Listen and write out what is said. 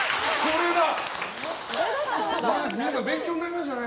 皆さん、勉強になりましたね。